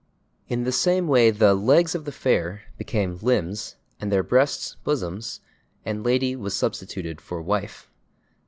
In the same way the legs of the fair became /limbs/ and their breasts /bosoms/, and /lady/ was substituted for /wife